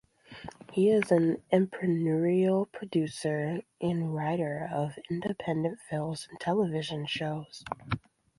He is an entrepreneurial producer and writer of independent films and television shows.